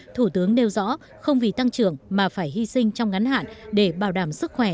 thủ tướng nêu rõ không vì tăng trưởng mà phải hy sinh trong ngắn hạn để bảo đảm sức khỏe